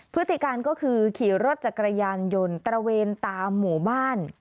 พฤติการก็คือขี่รถจักรยานยนต์ตระเวนตามหมู่บ้าน